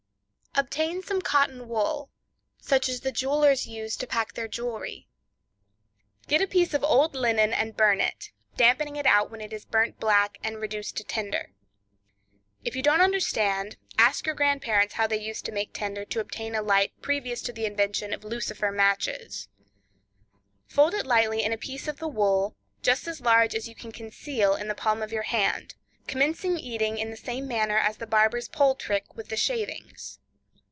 —Obtain some Cotton wool, such as the jewelers use to pack their jewelry; get a piece of old linen and burn it, dampening it out when it is burnt black and reduced to tinder. If you don't understand, ask your grandparents how they used to make tinder to obtain a light previous to the invention of lucifer matches. Fold it lightly in a piece of the wool, just as large as you can conceal in the palm of your hand, commencing eating in the same manner as in the Barber's Pole Trick, with the shavings.